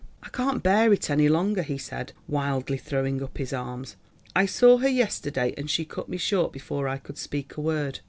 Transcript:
"I can't bear it any longer," he said wildly, throwing up his arms. "I saw her yesterday, and she cut me short before I could speak a word.